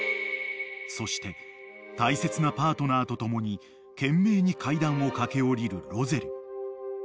［そして大切なパートナーとともに懸命に階段を駆け下りるロゼル］